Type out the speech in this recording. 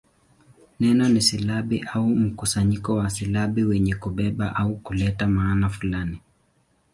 Neno ni silabi au mkusanyo wa silabi wenye kubeba au kuleta maana fulani.